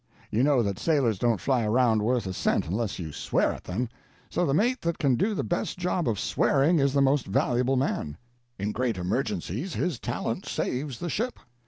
You know that sailors don't fly around worth a cent unless you swear at them—so the mate that can do the best job of swearing is the most valuable man. In great emergencies his talent saves the ship.